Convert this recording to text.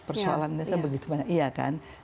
persoalan indonesia begitu banyak